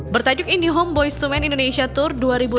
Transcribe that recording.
bertajuk indie home boyz ii men indonesia tour dua ribu enam belas